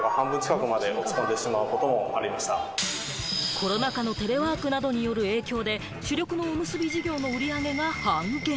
コロナ禍のテレワークなどによる影響で、主力のおむすび事業の売り上げが半減。